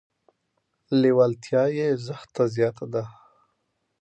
لیوالتیا یې زښته زیاته ده.